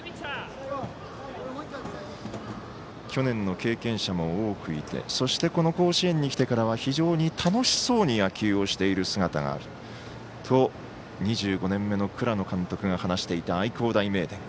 去年の経験者も多くいてそして、この甲子園に来てからは非常に楽しそうに野球をしている姿がと２５年目の倉野監督が話していた愛工大名電。